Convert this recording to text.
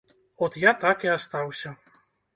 От я так і астаўся.